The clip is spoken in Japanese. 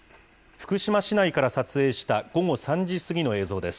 福島市内から撮影した午後３時過ぎの映像です。